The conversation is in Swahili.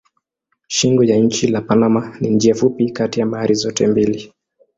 Shingo ya nchi la Panama ni njia fupi kati ya bahari zote mbili.